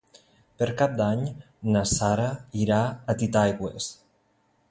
Per Cap d'Any na Sara irà a Titaigües.